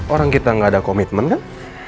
orang kita nggak ada komitmen kan